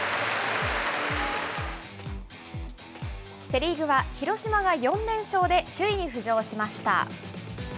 セ・リーグは、広島が４連勝で首位に浮上しました。